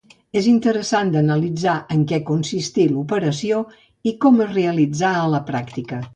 És interessant d'analitzar en què consistí l'operació i com es realitzà a la pràctica.